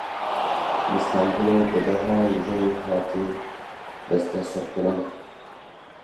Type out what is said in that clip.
Li Stenbolê bi dehan jin hatin desteserkirin.